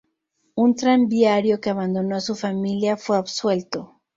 Un tranviario que abandonó a su familia fue absuelto.